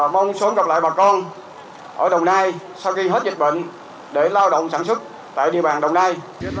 mong sớm gặp lại bà con ở đồng nai sau khi hết dịch bệnh để lao động sản xuất tại địa bàn đồng nai